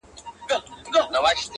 • نه وي عشق کي دوې هواوي او یو بامه,